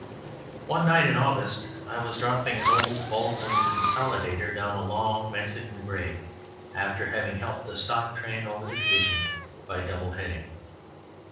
One night in August I was dropping an old Baldwin consolidator down a long Mexican grade, after having helped a stock train over the division by double heading.